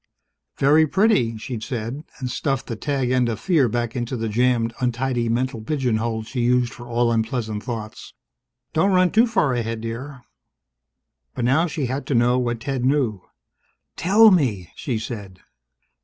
"Very pretty," she'd said, and stuffed the tag end of fear back into the jammed, untidy mental pigeon hole she used for all unpleasant thoughts. "Don't run too far ahead, dear." But now she had to know what Ted knew. "Tell me!" she said.